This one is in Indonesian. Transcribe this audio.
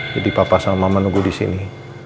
jadi papa sama mama nunggu di sini